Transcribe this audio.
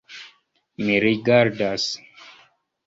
Mi rigardas.